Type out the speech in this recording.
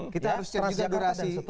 kita harus cek juga durasi